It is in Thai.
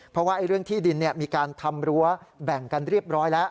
เพราะว่าเรื่องที่ดินมีการทำรั้วแบ่งกันเรียบร้อยแล้ว